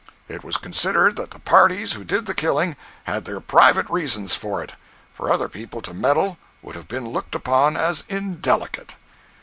It was considered that the parties who did the killing had their private reasons for it; for other people to meddle would have been looked upon as indelicate.